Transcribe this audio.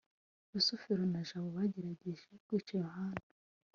rusufero na jabo bagerageje kwica yohana